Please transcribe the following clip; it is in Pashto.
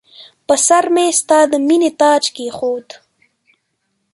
پر سرمې ستا د مییني تاج کښېښود